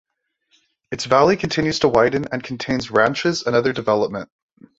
Its valley continues to widen and contains ranches and other development.